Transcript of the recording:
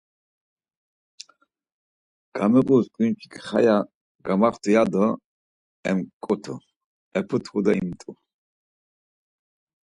Gamiğuis ǩinçik haya mu gamaxtu ya do emǩutu, eputxu do imt̆u.